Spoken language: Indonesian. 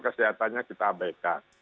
kesehatannya kita abaikan